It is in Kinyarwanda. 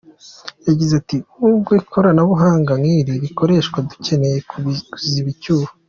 Yagize ati “ Nubwo ikoranabuhanga nk’iri rikoreshwa, dukeneye kuziba icyuho.